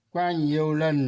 qua nhiều lần